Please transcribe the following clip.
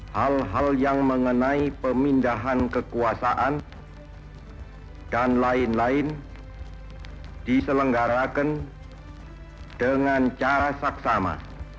hal hal yang mengenai pemindahan kekuasaan dan lain lain diselenggarakan dengan cara saksama